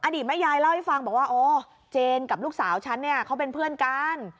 แม่ยายเล่าให้ฟังบอกว่าอ๋อเจนกับลูกสาวฉันเนี่ยเขาเป็นเพื่อนกัน